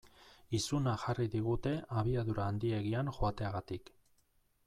Izuna jarri digute abiadura handiegian joateagatik.